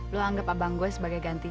lu anggap abang gue sebagai gantinya